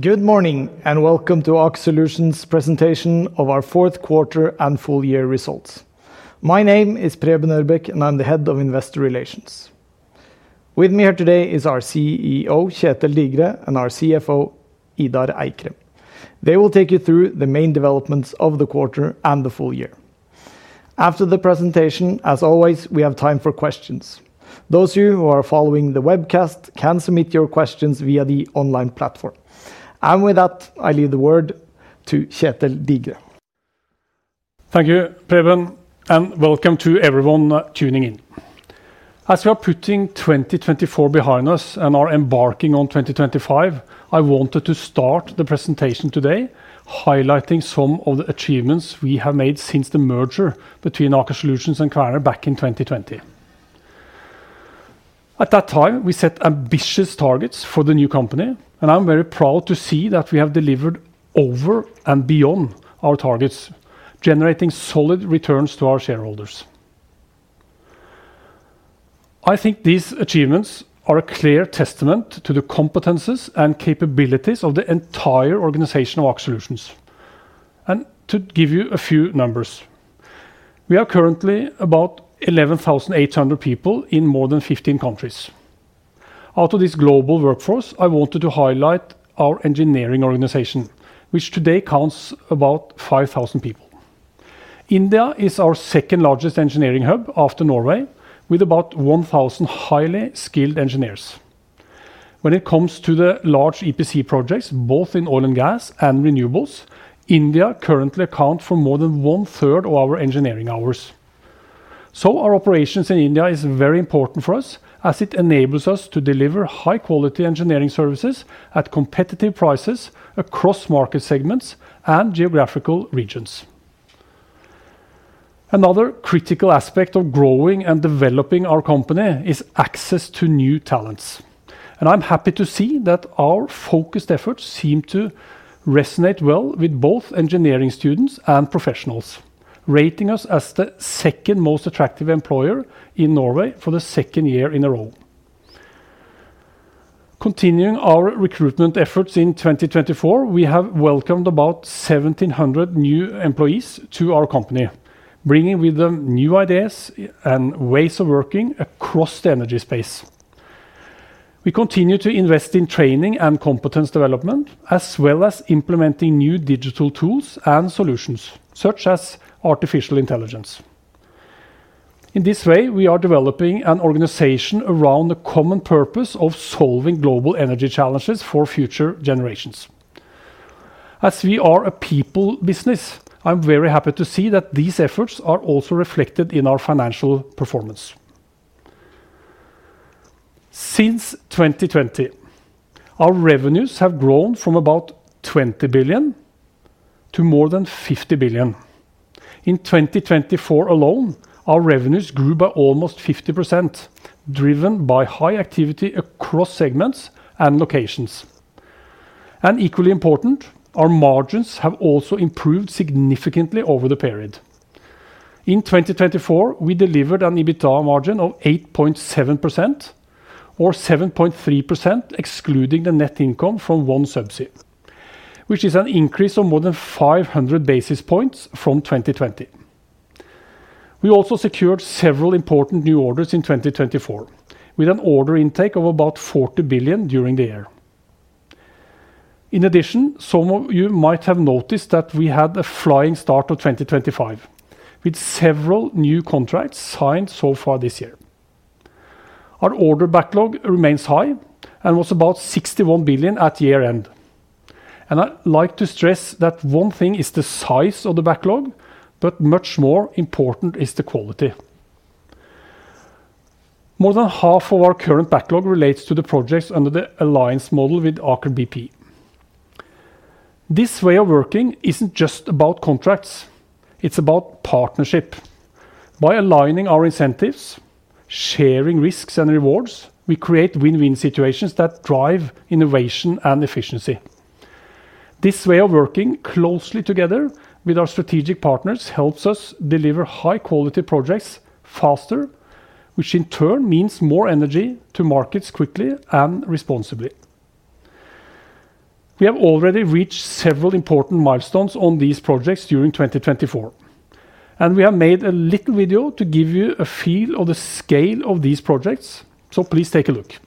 Good morning and welcome to Aker Solutions' presentation of our fourth quarter and full year results. My name is Preben Ørbeck, and I'm the head of investor relations. With me here today is our CEO, Kjetel Digre, and our CFO, Idar Eikrem. They will take you through the main developments of the quarter and the full year. After the presentation, as always, we have time for questions. Those of you who are following the webcast can submit your questions via the online platform. And with that, I leave the word to Kjetel Digre. Thank you, Preben, and welcome to everyone tuning in. As we are putting 2024 behind us and are embarking on 2025, I wanted to start the presentation today highlighting some of the achievements we have made since the merger between Aker Solutions and Kværner back in 2020. At that time, we set ambitious targets for the new company, and I'm very proud to see that we have delivered over and beyond our targets, generating solid returns to our shareholders. I think these achievements are a clear testament to the competencies and capabilities of the entire organization of Aker Solutions. To give you a few numbers, we are currently about 11,800 people in more than 15 countries. Out of this global workforce, I wanted to highlight our engineering organization, which today counts about 5,000 people. India is our second largest engineering hub after Norway, with about 1,000 highly skilled engineers. When it comes to the large EPC projects, both in oil and gas and renewables, India currently accounts for more than one-third of our engineering hours, so our operations in India are very important for us, as it enables us to deliver high-quality engineering services at competitive prices across market segments and geographical regions. Another critical aspect of growing and developing our company is access to new talents, and I'm happy to see that our focused efforts seem to resonate well with both engineering students and professionals, rating us as the second most attractive employer in Norway for the second year in a row. Continuing our recruitment efforts in 2024, we have welcomed about 1,700 new employees to our company, bringing with them new ideas and ways of working across the energy space. We continue to invest in training and competence development, as well as implementing new digital tools and solutions such as artificial intelligence. In this way, we are developing an organization around the common purpose of solving global energy challenges for future generations. As we are a people business, I'm very happy to see that these efforts are also reflected in our financial performance. Since 2020, our revenues have grown from about 20 billion to more than 50 billion. In 2024 alone, our revenues grew by almost 50%, driven by high activity across segments and locations. Equally important, our margins have also improved significantly over the period. In 2024, we delivered an EBITDA margin of 8.7%, or 7.3% excluding the net income from OneSubsea, which is an increase of more than 500 basis points from 2020. We also secured several important new orders in 2024, with an order intake of about 40 billion during the year. In addition, some of you might have noticed that we had a flying start of 2025, with several new contracts signed so far this year. Our order backlog remains high and was about 61 billion at year-end. And I'd like to stress that one thing is the size of the backlog, but much more important is the quality. More than half of our current backlog relates to the projects under the alliance model with Aker BP. This way of working isn't just about contracts. It's about partnership. By aligning our incentives, sharing risks and rewards, we create win-win situations that drive innovation and efficiency. This way of working closely together with our strategic partners helps us deliver high-quality projects faster, which in turn means more energy to markets quickly and responsibly. We have already reached several important milestones on these projects during 2024, and we have made a little video to give you a feel of the scale of these projects, so please take a look.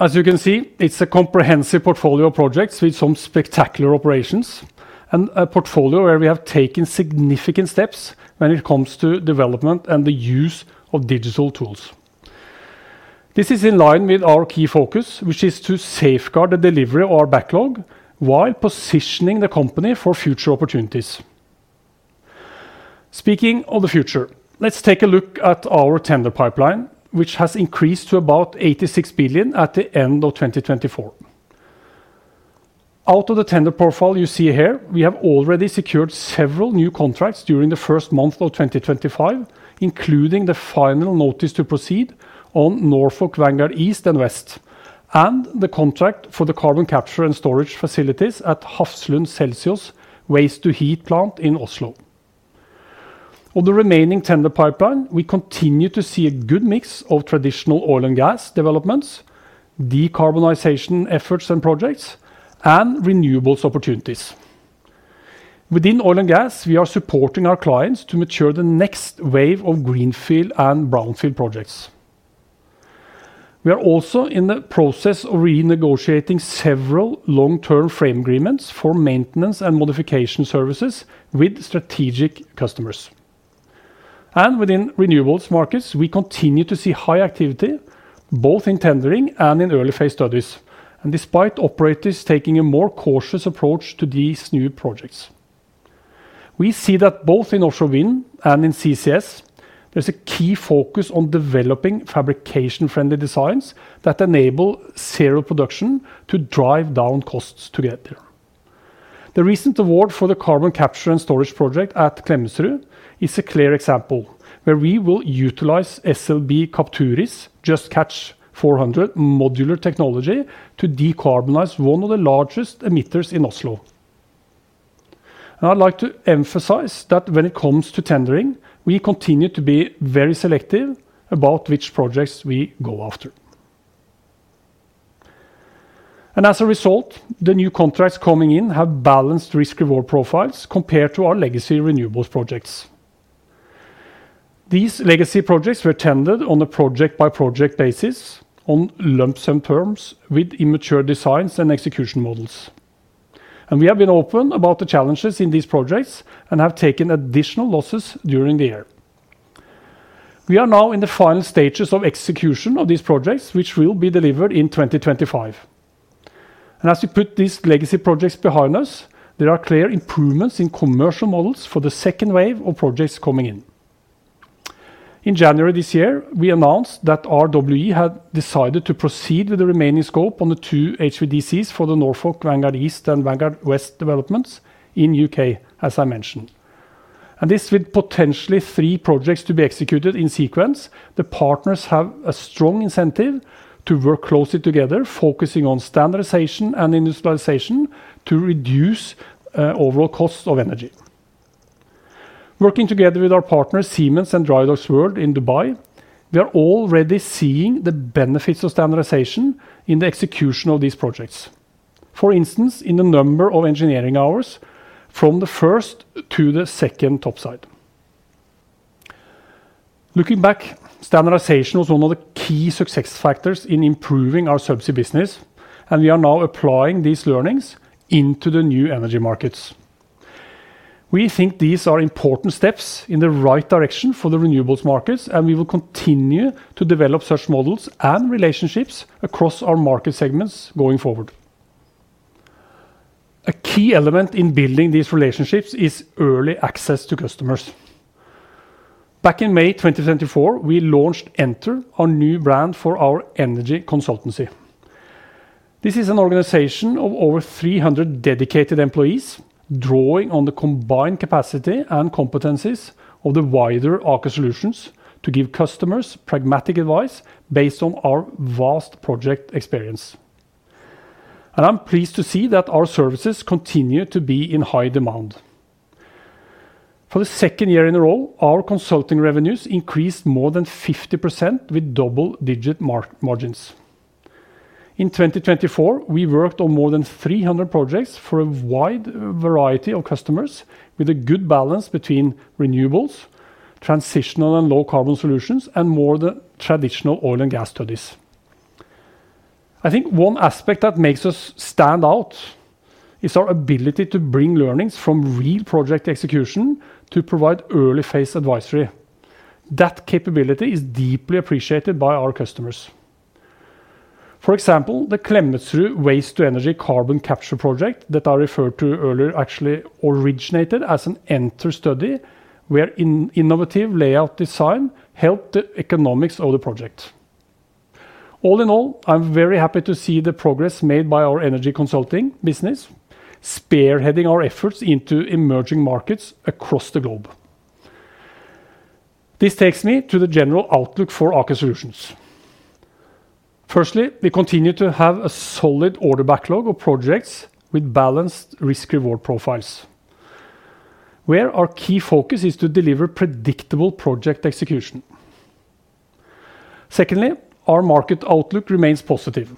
So, as you can see, it's a comprehensive portfolio of projects with some spectacular operations, and a portfolio where we have taken significant steps when it comes to development and the use of digital tools. This is in line with our key focus, which is to safeguard the delivery of our backlog while positioning the company for future opportunities. Speaking of the future, let's take a look at our tender pipeline, which has increased to about 86 billion at the end of 2024. Out of the tender profile you see here, we have already secured several new contracts during the first month of 2025, including the final notice to proceed on Norfolk Vanguard East and West, and the contract for the carbon capture and storage facilities at Hafslund Celsio Waste-to-Energy plant in Oslo. On the remaining tender pipeline, we continue to see a good mix of traditional oil and gas developments, decarbonization efforts and projects, and renewables opportunities. Within oil and gas, we are supporting our clients to mature the next wave of greenfield and brownfield projects. We are also in the process of renegotiating several long-term frame agreements for maintenance and modification services with strategic customers. Within renewables markets, we continue to see high activity both in tendering and in early phase studies, despite operators taking a more cautious approach to these new projects. We see that both in offshore wind and in CCS, there's a key focus on developing fabrication-friendly designs that enable serial production to drive down costs together. The recent award for the carbon capture and storage project at Klemetsrud is a clear example where we will utilize SLB Capturi's JustCatch 400 modular technology to decarbonize one of the largest emitters in Oslo. I'd like to emphasize that when it comes to tendering, we continue to be very selective about which projects we go after. As a result, the new contracts coming in have balanced risk-reward profiles compared to our legacy renewables projects. These legacy projects were tendered on a project-by-project basis on lump sum terms with immature designs and execution models. We have been open about the challenges in these projects and have taken additional losses during the year. We are now in the final stages of execution of these projects, which will be delivered in 2025. As we put these legacy projects behind us, there are clear improvements in commercial models for the second wave of projects coming in. In January this year, we announced that RWE had decided to proceed with the remaining scope on the two HVDCs for the Norfolk Vanguard East and Norfolk Vanguard West developments in the U.K., as I mentioned. This with potentially three projects to be executed in sequence, the partners have a strong incentive to work closely together, focusing on standardization and industrialization to reduce overall costs of energy. Working together with our partners, Siemens and Drydocks World in Dubai, we are already seeing the benefits of standardization in the execution of these projects. For instance, in the number of engineering hours from the first to the second topside. Looking back, standardization was one of the key success factors in improving our subsea business, and we are now applying these learnings into the new energy markets. We think these are important steps in the right direction for the renewables markets, and we will continue to develop such models and relationships across our market segments going forward. A key element in building these relationships is early access to customers. Back in May 2024, we launched EnterTM, our new brand for our energy consultancy. This is an organization of over 300 dedicated employees, drawing on the combined capacity and competencies of the wider Aker Solutions to give customers pragmatic advice based on our vast project experience, and I'm pleased to see that our services continue to be in high demand. For the second year in a row, our consulting revenues increased more than 50% with double-digit margins. In 2024, we worked on more than 300 projects for a wide variety of customers, with a good balance between renewables, transitional and low-carbon solutions, and more traditional oil and gas studies. I think one aspect that makes us stand out is our ability to bring learnings from real project execution to provide early phase advisory. That capability is deeply appreciated by our customers. For example, the Klemetsrud Waste-to-Energy Carbon Capture project that I referred to earlier actually originated as an Entr study, where innovative layout design helped the economics of the project. All in all, I'm very happy to see the progress made by our energy consulting business, spearheading our efforts into emerging markets across the globe. This takes me to the general outlook for Aker Solutions. Firstly, we continue to have a solid order backlog of projects with balanced risk-reward profiles, where our key focus is to deliver predictable project execution. Secondly, our market outlook remains positive,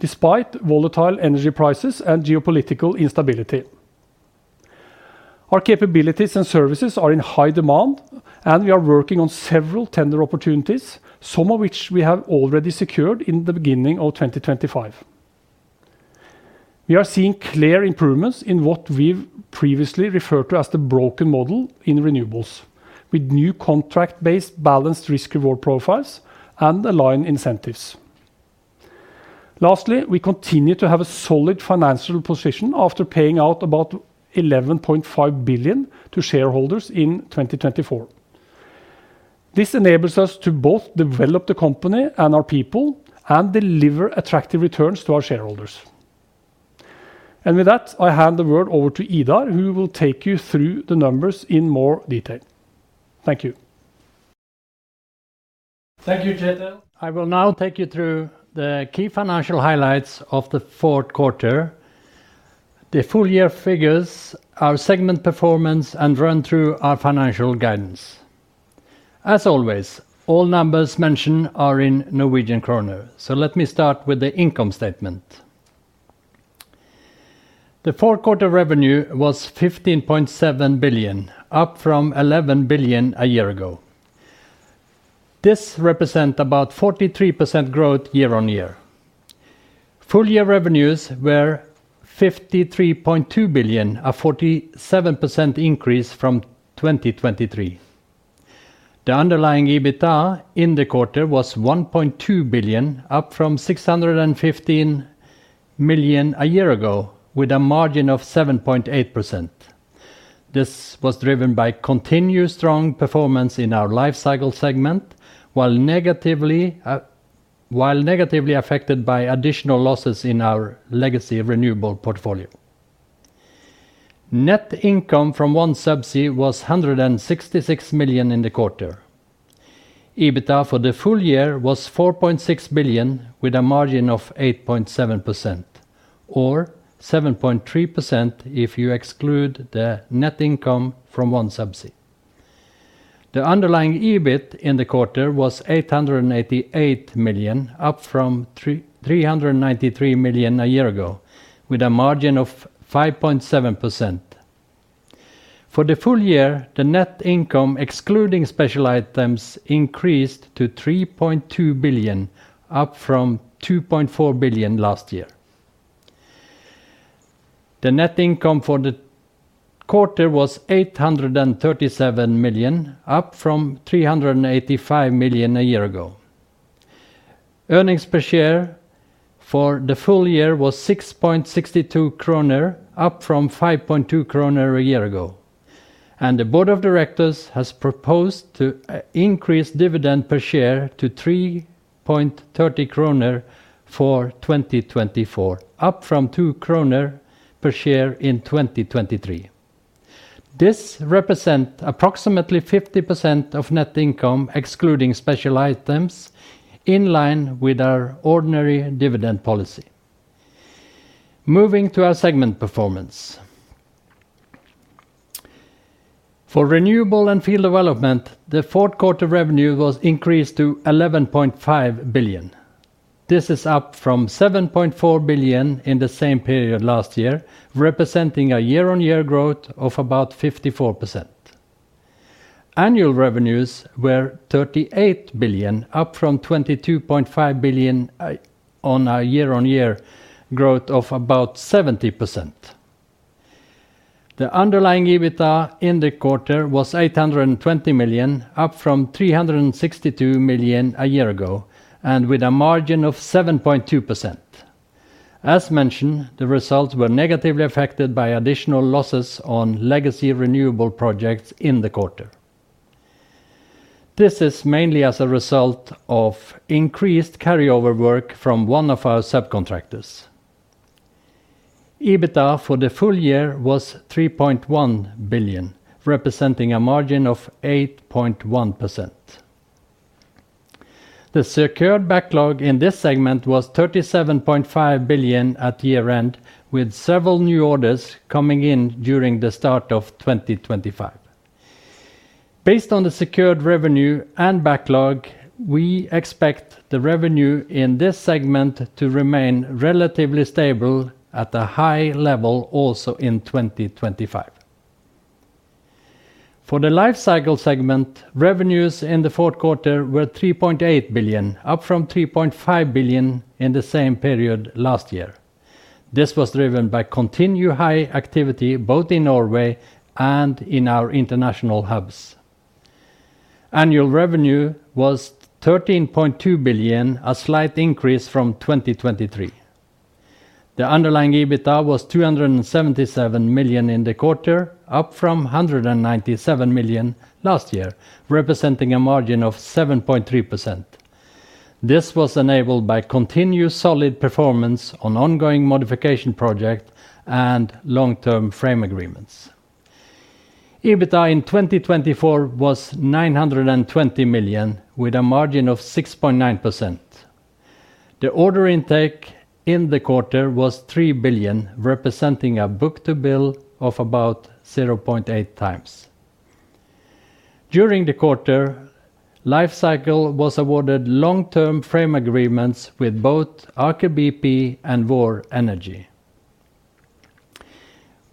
despite volatile energy prices and geopolitical instability. Our capabilities and services are in high demand, and we are working on several tender opportunities, some of which we have already secured in the beginning of 2025. We are seeing clear improvements in what we've previously referred to as the broken model in renewables, with new contract-based balanced risk-reward profiles and aligned incentives. Lastly, we continue to have a solid financial position after paying out about 11.5 billion to shareholders in 2024. This enables us to both develop the company and our people, and deliver attractive returns to our shareholders, and with that, I hand the word over to Idar, who will take you through the numbers in more detail. Thank you. Thank you, Kjetel. I will now take you through the key financial highlights of the fourth quarter, the full-year figures, our segment performance, and run through our financial guidance. As always, all numbers mentioned are in Norwegian kroner, so let me start with the income statement. The fourth quarter revenue was 15.7 billion, up from 11 billion a year ago. This represents about 43% growth year-on-year. Full-year revenues were 53.2 billion, a 47% increase from 2023. The underlying EBITDA in the quarter was 1.2 billion, up from 615 million a year ago, with a margin of 7.8%. This was driven by continued strong performance in our life cycle segment, while negatively affected by additional losses in our legacy renewable portfolio. Net income from OneSubsea was 166 million in the quarter. EBITDA for the full year was 4.6 billion, with a margin of 8.7%, or 7.3% if you exclude the net income from OneSubsea. The underlying EBIT in the quarter was 888 million, up from 393 million a year ago, with a margin of 5.7%. For the full year, the net income excluding special items increased to 3.2 billion, up from 2.4 billion last year. The net income for the quarter was 837 million, up from 385 million a year ago. Earnings per share for the full year was 6.62 kroner, up from 5.2 kroner a year ago. The board of directors has proposed to increase dividend per share to 3.30 kroner for 2024, up from two kroner per share in 2023. This represents approximately 50% of net income excluding special items, in line with our ordinary dividend policy. Moving to our segment performance. For renewable and field development, the fourth quarter revenue was increased to 11.5 billion. This is up from 7.4 billion in the same period last year, representing a year-on-year growth of about 54%. Annual revenues were 38 billion, up from 22.5 billion on our year-on-year growth of about 70%. The underlying EBITDA in the quarter was 820 million, up from 362 million a year ago, and with a margin of 7.2%. As mentioned, the results were negatively affected by additional losses on legacy renewable projects in the quarter. This is mainly as a result of increased carryover work from one of our subcontractors. EBITDA for the full year was 3.1 billion, representing a margin of 8.1%. The secured backlog in this segment was 37.5 billion at year-end, with several new orders coming in during the start of 2025. Based on the secured revenue and backlog, we expect the revenue in this segment to remain relatively stable at a high level also in 2025. For the life cycle segment, revenues in the fourth quarter were 3.8 billion, up from 3.5 billion in the same period last year. This was driven by continued high activity both in Norway and in our international hubs. Annual revenue was 13.2 billion, a slight increase from 2023. The underlying EBITDA was 277 million in the quarter, up from 197 million last year, representing a margin of 7.3%. This was enabled by continued solid performance on ongoing modification projects and long-term frame agreements. EBITDA in 2024 was 920 million, with a margin of 6.9%. The order intake in the quarter was 3 billion, representing a book-to-bill of about 0.8x. During the quarter, Life Cycle was awarded long-term frame agreements with both Aker BP and Vår Energi.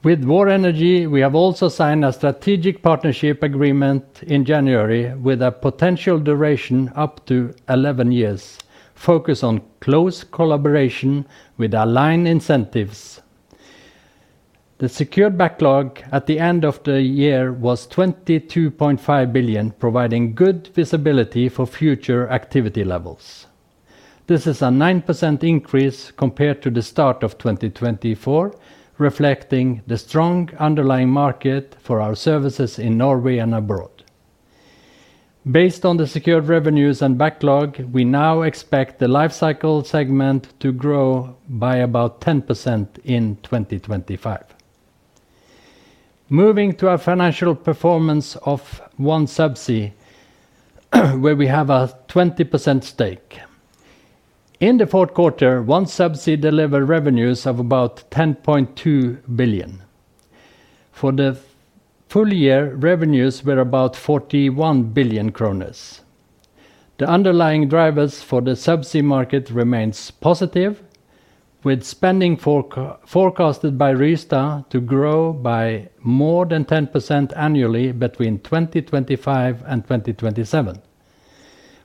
With Vår Energi, we have also signed a strategic partnership agreement in January with a potential duration up to 11 years, focused on close collaboration with aligned incentives. The secured backlog at the end of the year was 22.5 billion, providing good visibility for future activity levels. This is a 9% increase compared to the start of 2024, reflecting the strong underlying market for our services in Norway and abroad. Based on the secured revenues and backlog, we now expect the Life Cycle segment to grow by about 10% in 2025. Moving to our financial performance of OneSubsea, where we have a 20% stake. In the fourth quarter, OneSubsea delivered revenues of about 10.2 billion. For the full year, revenues were about 41 billion kroner. The underlying drivers for the subsea market remain positive, with spending forecasted by Rystad to grow by more than 10% annually between 2025 and 2027.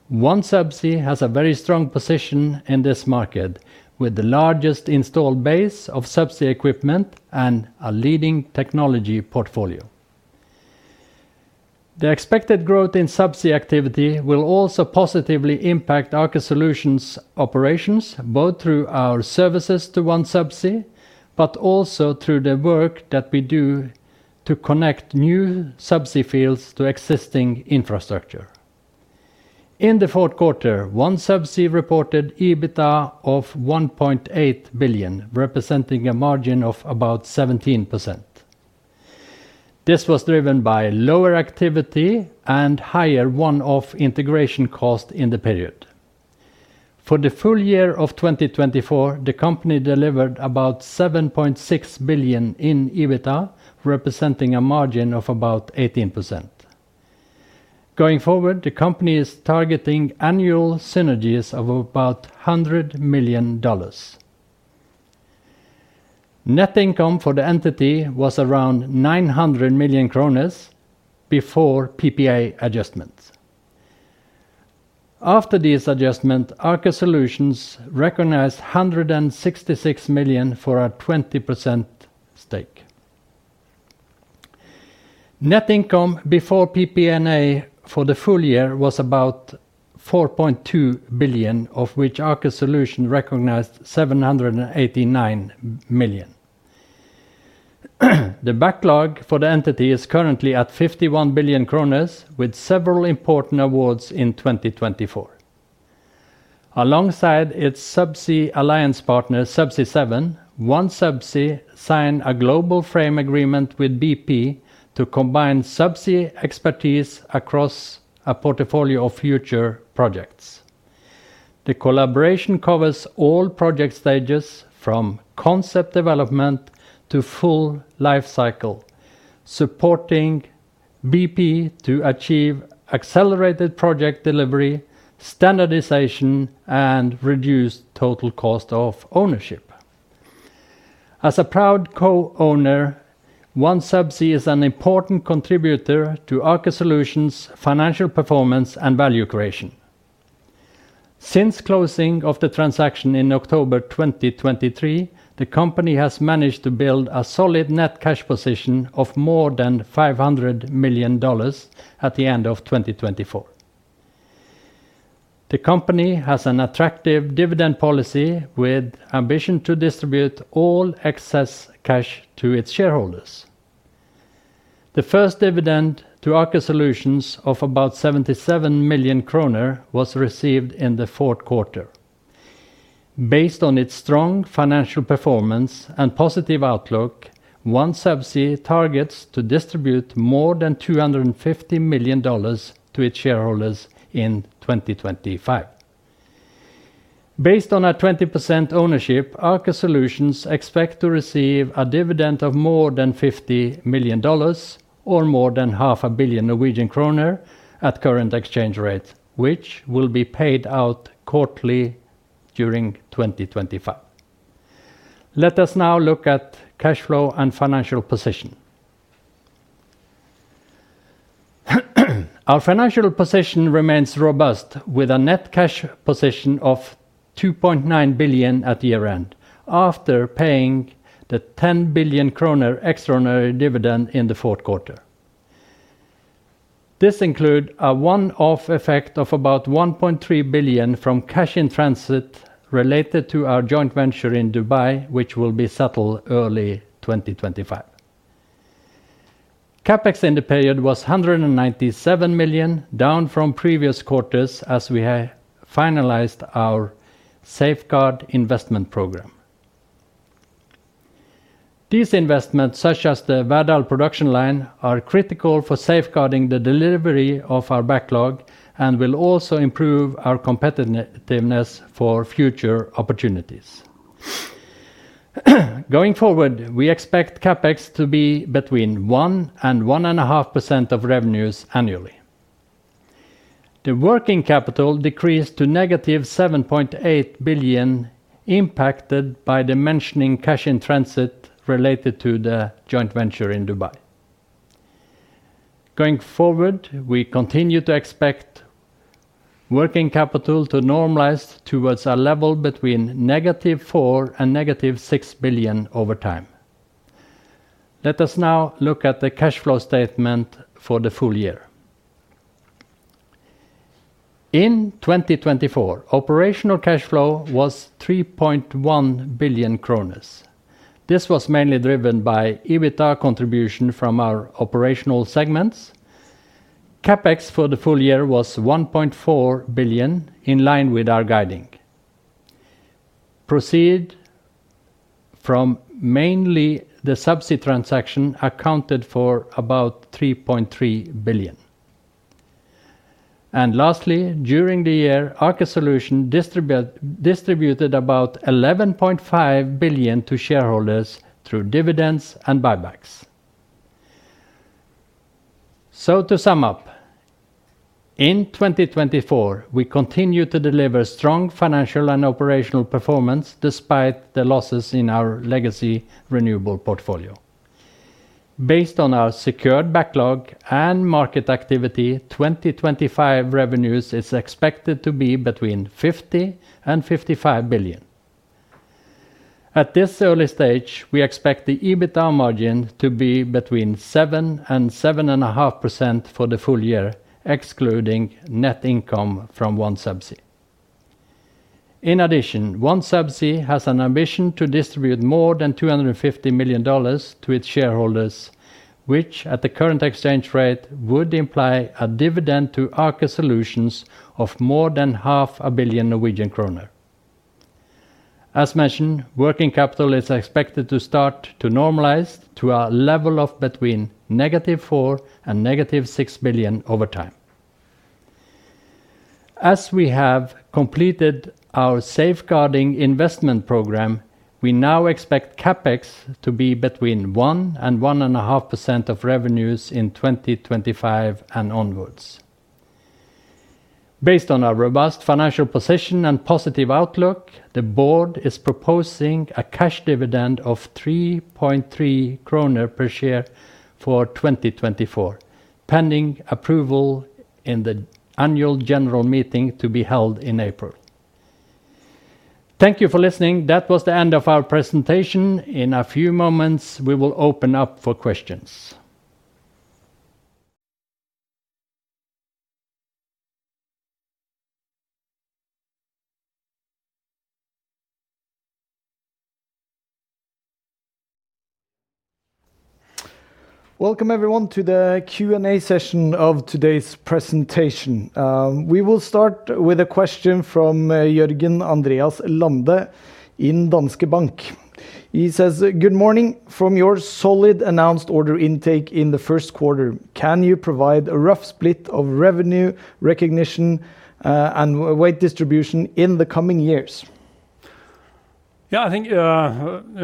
OneSubsea has a very strong position in this market, with the largest installed base of subsea equipment and a leading technology portfolio. The expected growth in subsea activity will also positively impact Aker Solutions operations, both through our services to OneSubsea, but also through the work that we do to connect new subsea fields to existing infrastructure. In the fourth quarter, OneSubsea reported EBITDA of $1.8 billion, representing a margin of about 17%. This was driven by lower activity and higher one-off integration cost in the period. For the full year of 2024, the company delivered about $7.6 billion in EBITDA, representing a margin of about 18%. Going forward, the company is targeting annual synergies of about $100 million. Net income for the entity was around 900 million kroner before PPA adjustment. After this adjustment, Aker Solutions recognized 166 million for a 20% stake. Net income before PPA for the full year was about 4.2 billion, of which Aker Solutions recognized 789 million. The backlog for the entity is currently at 51 billion kroner, with several important awards in 2024. Alongside its subsea alliance partner, Subsea 7, OneSubsea signed a global frame agreement with BP to combine subsea expertise across a portfolio of future projects. The collaboration covers all project stages, from concept development to full life cycle, supporting BP to achieve accelerated project delivery, standardization, and reduced total cost of ownership. As a proud co-owner, OneSubsea is an important contributor to Aker Solutions' financial performance and value creation. Since closing of the transaction in October 2023, the company has managed to build a solid net cash position of more than $500 million at the end of 2024. The company has an attractive dividend policy with ambition to distribute all excess cash to its shareholders. The first dividend to Aker Solutions of about 77 million kroner was received in the fourth quarter. Based on its strong financial performance and positive outlook, OneSubsea targets to distribute more than $250 million to its shareholders in 2025. Based on our 20% ownership, Aker Solutions expects to receive a dividend of more than $50 million or more than 500 million Norwegian kroner at current exchange rate, which will be paid out quarterly during 2025. Let us now look at cash flow and financial position. Our financial position remains robust, with a net cash position of 2.9 billion at year-end, after paying the 10 billion kroner extraordinary dividend in the fourth quarter. This includes a one-off effect of about 1.3 billion from cash in transit related to our joint venture in Dubai, which will be settled early 2025. CapEx in the period was 197 million, down from previous quarters as we finalized our safeguard investment program. These investments, such as the Verdal production line, are critical for safeguarding the delivery of our backlog and will also improve our competitiveness for future opportunities. Going forward, we expect CapEx to be between 1% and 1.5% of revenues annually. The working capital decreased to negative 7.8 billion, impacted by the mentioned cash in transit related to the joint venture in Dubai. Going forward, we continue to expect working capital to normalize towards a level between -4 billion and -6 billion over time. Let us now look at the cash flow statement for the full year. In 2024, operational cash flow was 3.1 billion kroner. This was mainly driven by EBITDA contribution from our operational segments. CapEx for the full year was 1.4 billion, in line with our guidance. Proceeds from mainly the subsea transaction accounted for about 3.3 billion. And lastly, during the year, Aker Solutions distributed about 11.5 billion to shareholders through dividends and buybacks. So to sum up, in 2024, we continue to deliver strong financial and operational performance despite the losses in our legacy renewable portfolio. Based on our secured backlog and market activity, 2025 revenues is expected to be between 50 billion and 55 billion. At this early stage, we expect the EBITDA margin to be between 7% and 7.5% for the full year, excluding net income from OneSubsea. In addition, OneSubsea has an ambition to distribute more than $250 million to its shareholders, which at the current exchange rate would imply a dividend to Aker Solutions of more than 500 million Norwegian kroner. As mentioned, working capital is expected to start to normalize to a level of between -4 billion and -6 billion over time. As we have completed our safeguarding investment program, we now expect CapEx to be between 1% and 1.5% of revenues in 2025 and onwards. Based on our robust financial position and positive outlook, the board is proposing a cash dividend of 3.3 kroner per share for 2024, pending approval in the annual general meeting to be held in April. Thank you for listening. That was the end of our presentation. In a few moments, we will open up for questions. Welcome everyone to the Q&A session of today's presentation. We will start with a question from Jørgen Andreas Lande in Danske Bank. He says, "Good morning. From your solid announced order intake in the first quarter, can you provide a rough split of revenue recognition and weight distribution in the coming years?" Yeah, I think you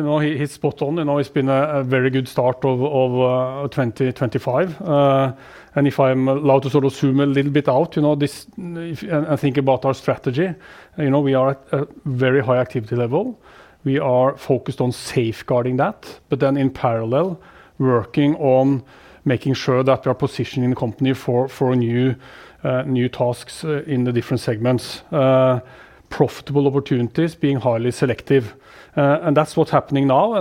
know he's spot on. You know he's been a very good start of 2025. And if I'm allowed to sort of zoom a little bit out, you know this and think about our strategy. You know we are at a very high activity level. We are focused on safeguarding that, but then in parallel, working on making sure that we are positioning the company for new tasks in the different segments, profitable opportunities being highly selective. And that's what's happening now.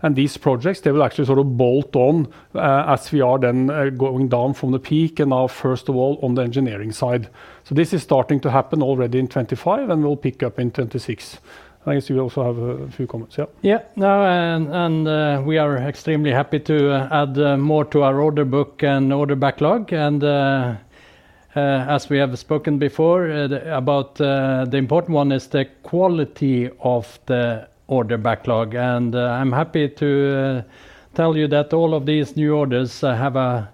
And these projects, they will actually sort of bolt on as we are then going down from the peak and now, first of all, on the engineering side. So this is starting to happen already in 2025 and will pick up in 2026. I guess you also have a few comments. Yeah, yeah. And we are extremely happy to add more to our order book and order backlog. And as we have spoken before about the important one is the quality of the order backlog. And I'm happy to tell you that all of these new orders have a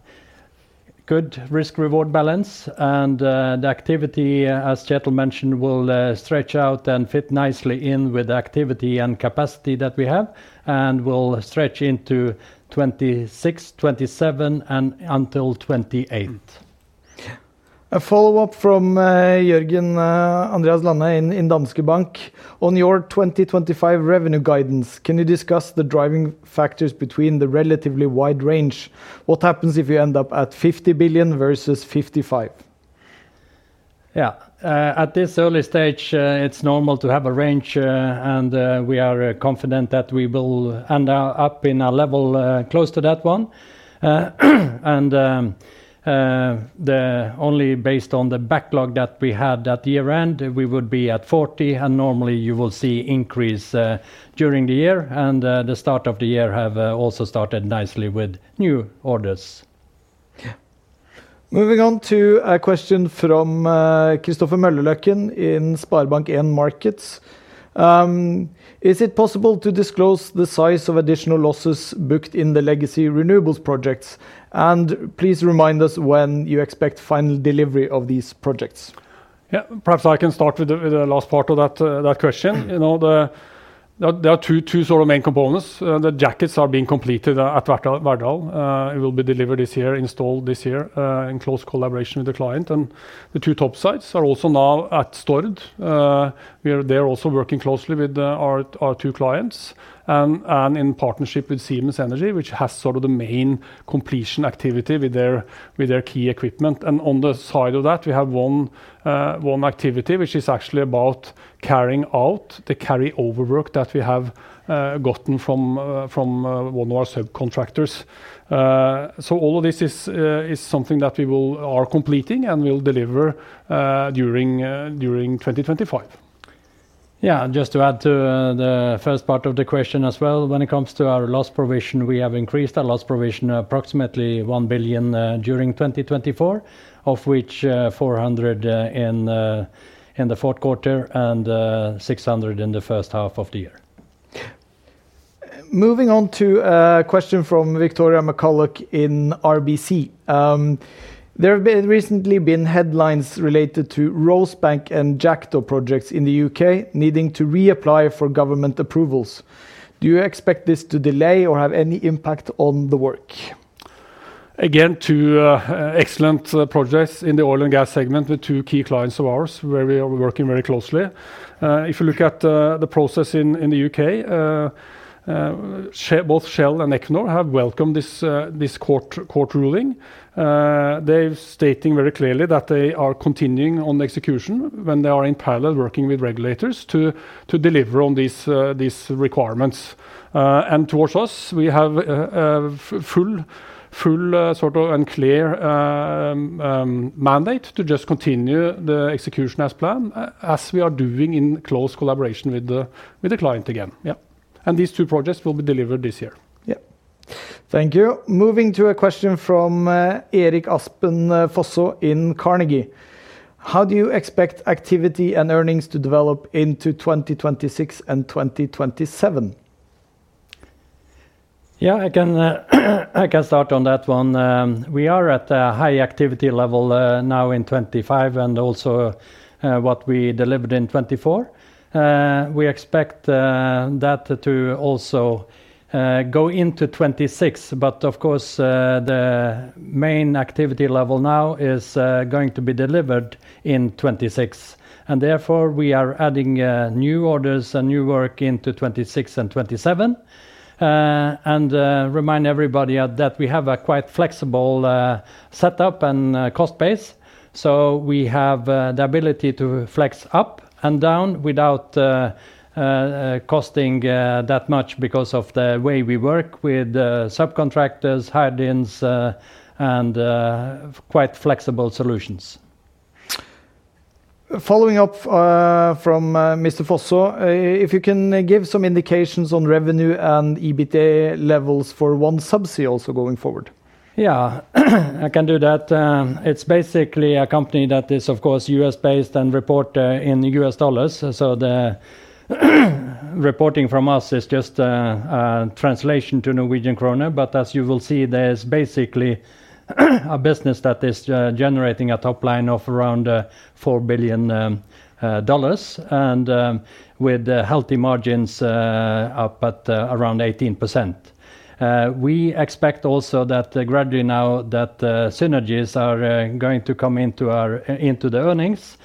good risk-reward balance. And the activity, as Kjetel mentioned, will stretch out and fit nicely in with the activity and capacity that we have and will stretch into 2026, 2027, and until 2028. A follow-up from Jørgen Andreas Lande in Danske Bank. On your 2025 revenue guidance, can you discuss the driving factors between the relatively wide range? What happens if you end up at 50 billion versus 55 billion? Yeah, at this early stage, it's normal to have a range. And we are confident that we will end up in a level close to that one. And only based on the backlog that we had at year-end, we would be at 40 billion. And normally, you will see increase during the year. And the start of the year has also started nicely with new orders. Moving on to a question from Kristoffer Møllerløkken in SpareBank 1 Markets. Is it possible to disclose the size of additional losses booked in the legacy renewables projects? And please remind us when you expect final delivery of these projects. Yeah, perhaps I can start with the last part of that question. There are two sort of main components. The jackets are being completed at Verdal. It will be delivered this year, installed this year in close collaboration with the client. And the two topsides are also now at Stord. We are there also working closely with our two clients and in partnership with Siemens Energy, which has sort of the main completion activity with their key equipment. And on the side of that, we have one activity, which is actually about carrying out the carryover work that we have gotten from one of our subcontractors. So all of this is something that we are completing and will deliver during 2025. Yeah, just to add to the first part of the question as well, when it comes to our loss provision, we have increased our loss provision approximately 1 billion during 2024, of which 400 million in the fourth quarter and 600 million in the first half of the year. Moving on to a question from Victoria McCulloch in RBC. There have recently been headlines related to Rosebank and Jackdaw projects in the U.K. needing to reapply for government approvals. Do you expect this to delay or have any impact on the work? Again, two excellent projects in the oil and gas segment with two key clients of ours where we are working very closely. If you look at the process in the U.K., both Shell and Equinor have welcomed this court ruling. They're stating very clearly that they are continuing on the execution when they are in parallel working with regulators to deliver on these requirements. And towards us, we have a full sort of and clear mandate to just continue the execution as planned, as we are doing in close collaboration with the client again. Yeah, and these two projects will be delivered this year. Yeah, thank you. Moving to a question from Erik Aspen Fosså in Carnegie. How do you expect activity and earnings to develop into 2026 and 2027? Yeah, I can start on that one. We are at a high activity level now in 2025 and also what we delivered in 2024. We expect that to also go into 2026. But of course, the main activity level now is going to be delivered in 2026. And therefore, we are adding new orders and new work into 2026 and 2027. Remind everybody that we have a quite flexible setup and cost base. So we have the ability to flex up and down without costing that much because of the way we work with subcontractors, hirings, and quite flexible solutions. Following up from Mr. Fosså, if you can give some indications on revenue and EBITDA levels for OneSubsea also going forward. Yeah, I can do that. It's basically a company that is, of course, U.S.-based and reports in U.S. dollars. So the reporting from us is just a translation to Norwegian kroner. But as you will see, there's basically a business that is generating a top line of around $4 billion and with healthy margins up at around 18%. We expect also that gradually now that synergies are going to come into the earnings.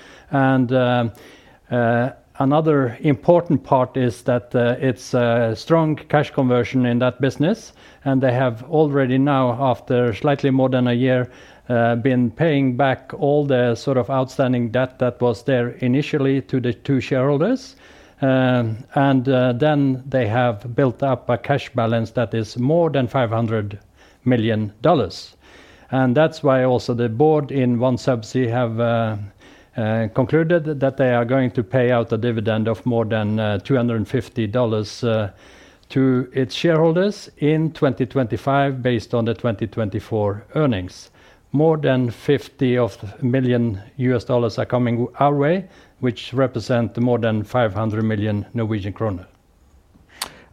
Another important part is that it's a strong cash conversion in that business. They have already now, after slightly more than a year, been paying back all the sort of outstanding debt that was there initially to the two shareholders. They have built up a cash balance that is more than $500 million. That's why also the board of OneSubsea have concluded that they are going to pay out a dividend of more than $250 million to its shareholders in 2025 based on the 2024 earnings. More than $50 million are coming our way, which represent more than 500 million Norwegian kroner.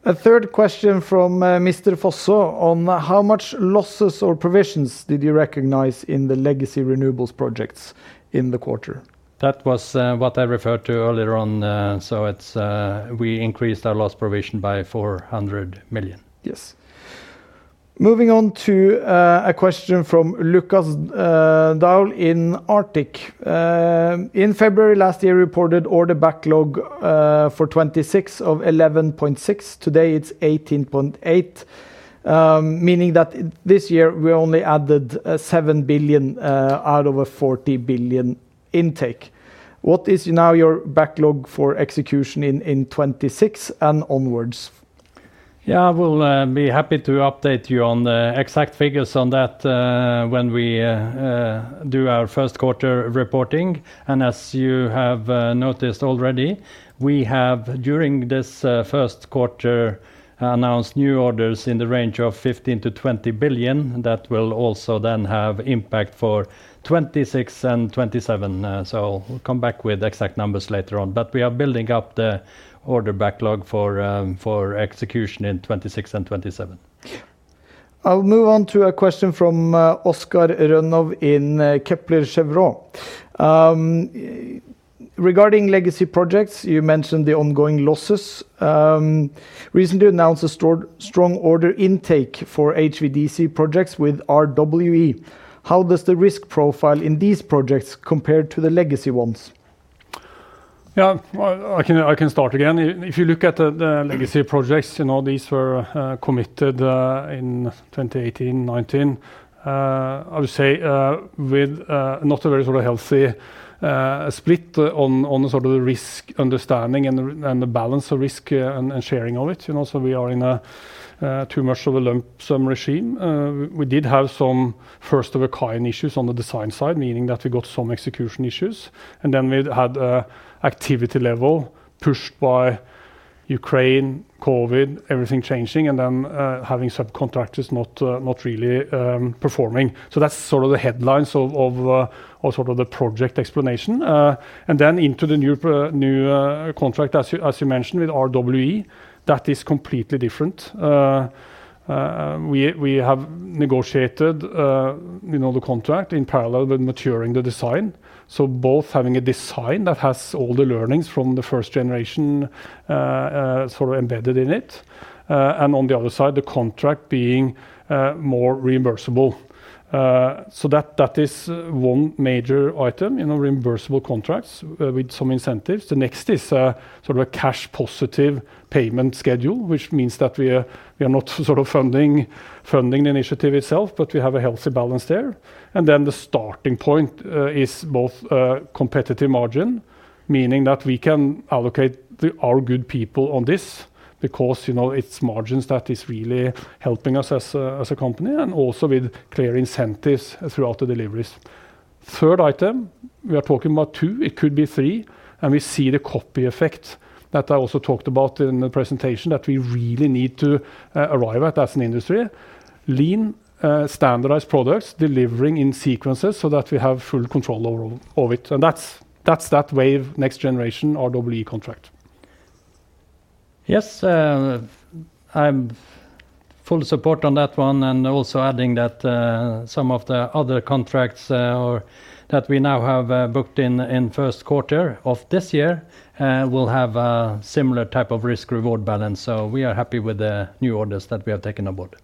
A third question from Mr. Fosså on how much losses or provisions did you recognize in the legacy renewables projects in the quarter? That was what I referred to earlier on. So we increased our loss provision by 400 million. Yes. Moving on to a question from Lukas Daul in Arctic. In February last year, reported order backlog for 26 of 11.6. Today, it's 18.8, meaning that this year we only added 7 billion out of a 40 billion intake. What is now your backlog for execution in 26 and onwards? Yeah, we'll be happy to update you on the exact figures on that when we do our first quarter reporting. And as you have noticed already, we have during this first quarter announced new orders in the range of 15 billion-20 billion that will also then have impact for 26 and 27. So we'll come back with exact numbers later on. But we are building up the order backlog for execution in 26 and 27. I'll move on to a question from Oscar Rønnov in Kepler Cheuvreux.Regarding legacy projects, you mentioned the ongoing losses. Recently announced a strong order intake for HVDC projects with RWE. How does the risk profile in these projects compare to the legacy ones? Yeah, I can start again. If you look at the legacy projects, you know these were committed in 2018, 2019. I would say with not a very sort of healthy split on sort of the risk understanding and the balance of risk and sharing of it. So we are in a too much of a lump sum regime. We did have some first-of-a-kind issues on the design side, meaning that we got some execution issues. And then we had activity level pushed by Ukraine, COVID, everything changing, and then having subcontractors not really performing. So that's sort of the headlines of sort of the project explanation. And then into the new contract, as you mentioned, with RWE, that is completely different. We have negotiated the contract in parallel with maturing the design. So both having a design that has all the learnings from the first generation sort of embedded in it. And on the other side, the contract being more reimbursable. So that is one major item, reimbursable contracts with some incentives. The next is sort of a cash-positive payment schedule, which means that we are not sort of funding the initiative itself, but we have a healthy balance there. And then the starting point is both competitive margin, meaning that we can allocate our good people on this because it's margins that is really helping us as a company and also with clear incentives throughout the deliveries. Third item, we are talking about two. It could be three. And we see the copy effect. That I also talked about in the presentation that we really need to arrive at as an industry, lean standardized products delivering in sequences so that we have full control over it. And that's that wave next generation RWE contract. Yes, I'm full support on that one and also adding that some of the other contracts that we now have booked in first quarter of this year will have a similar type of risk-reward balance. So we are happy with the new orders that we have taken aboard.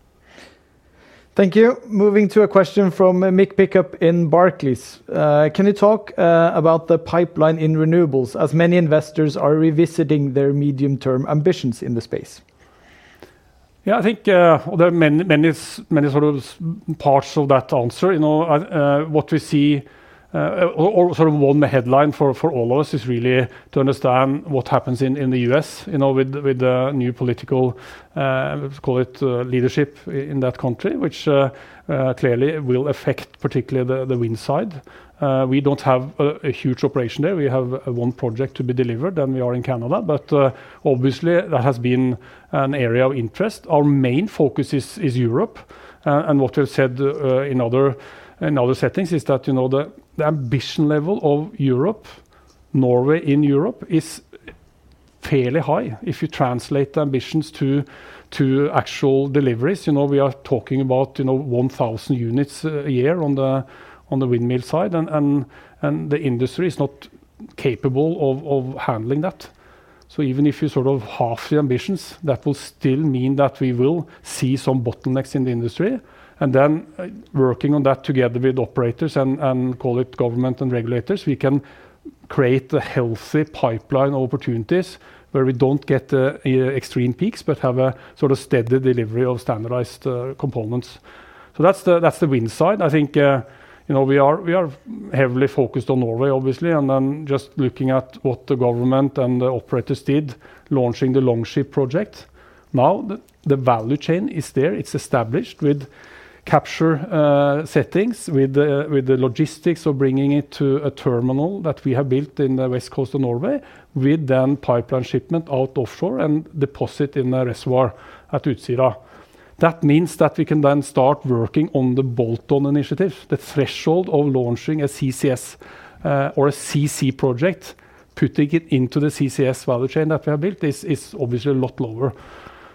Thank you. Moving to a question from Mick Pickup in Barclays. Can you talk about the pipeline in renewables as many investors are revisiting their medium-term ambitions in the space? Yeah, I think there are many sort of parts of that answer. What we see, or sort of one headline for all of us, is really to understand what happens in the U.S. with the new political, let's call it leadership in that country, which clearly will affect particularly the wind side. We don't have a huge operation there. We have one project to be delivered, and we are in Canada. But obviously, that has been an area of interest. Our main focus is Europe. And what we have said in other settings is that the ambition level of Europe, Norway in Europe, is fairly high. If you translate the ambitions to actual deliveries, we are talking about 1,000 units a year on the windmill side. And the industry is not capable of handling that. So even if you sort of half the ambitions, that will still mean that we will see some bottlenecks in the industry. And then working on that together with operators and the government and regulators, we can create a healthy pipeline of opportunities where we don't get the extreme peaks, but have a sort of steady delivery of standardized components. So that's the wind side. I think we are heavily focused on Norway, obviously, and then just looking at what the government and the operators did launching the Longship project. Now, the value chain is there. It's established with capture settings, with the logistics of bringing it to a terminal that we have built in the west coast of Norway, with then pipeline shipment out offshore and deposit in the reservoir at Utsira. That means that we can then start working on the bolt-on initiative. The threshold of launching a CCS or a CC project, putting it into the CCS value chain that we have built, is obviously a lot lower.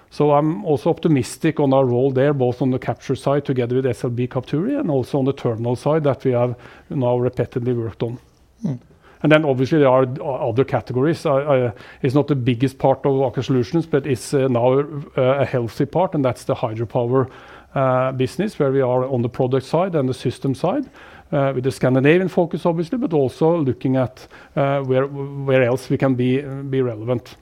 So I'm also optimistic on our role there, both on the capture side together with SLB Capturi and also on the terminal side that we have now repetitively worked on. And then obviously, there are other categories. It's not the biggest part of our solutions, but it's now a healthy part. And that's the hydropower business where we are on the product side and the system side with the Scandinavian focus, obviously, but also looking at where else we can be relevant.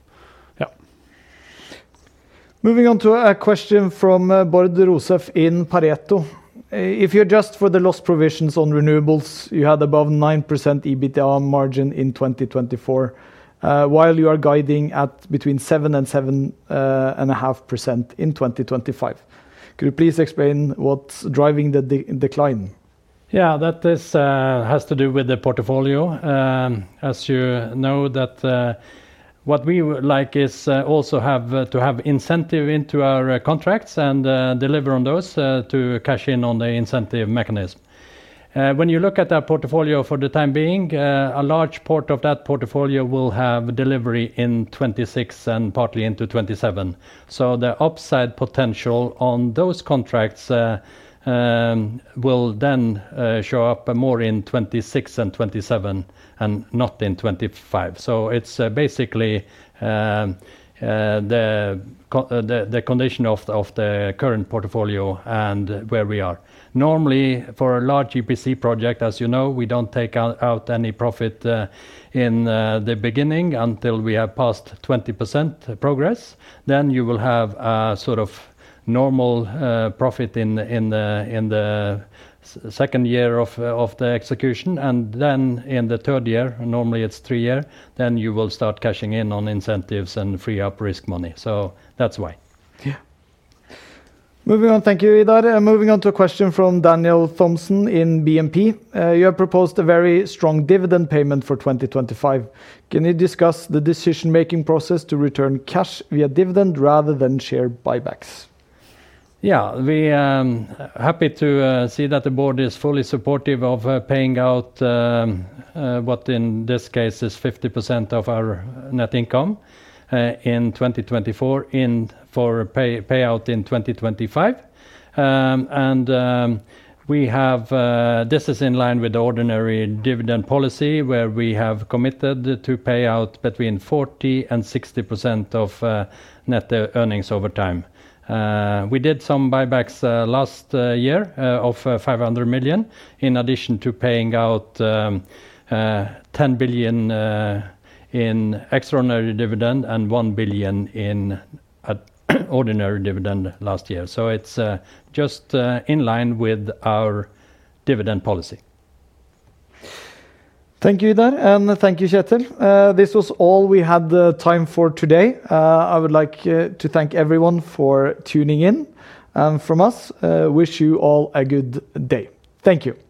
Yeah. Moving on to a question from Bård Rosef in Pareto. If you adjust for the loss provisions on renewables, you had above 9% EBITDA margin in 2024, while you are guiding at between 7% and 7.5% in 2025. Could you please explain what's driving the decline? Yeah, that has to do with the portfolio. As you know, what we like is also to have incentive into our contracts and deliver on those to cash in on the incentive mechanism. When you look at our portfolio for the time being, a large part of that portfolio will have delivery in 2026 and partly into 2027. So the upside potential on those contracts will then show up more in 2026 and 2027 and not in 2025. So it's basically the condition of the current portfolio and where we are. Normally, for a large EPC project, as you know, we don't take out any profit in the beginning until we have passed 20% progress. Then you will have a sort of normal profit in the second year of the execution. And then in the third year, normally it's three years, then you will start cashing in on incentives and free up risk money. So that's why. Yeah. Moving on, thank you, Idar. Moving on to a question from Daniel Thomson in BNP. You have proposed a very strong dividend payment for 2025. Can you discuss the decision-making process to return cash via dividend rather than share buybacks? Yeah, we are happy to see that the board is fully supportive of paying out what in this case is 50% of our net income in 2024 for payout in 2025. And this is in line with the ordinary dividend policy where we have committed to pay out between 40% and 60% of net earnings over time. We did some buybacks last year of 500 million in addition to paying out 10 billion in extraordinary dividend and 1 billion in ordinary dividend last year. So it's just in line with our dividend policy. Thank you, Idar, and thank you, Kjetel. This was all we had time for today. I would like to thank everyone for tuning in from us. Wish you all a good day. Thank you.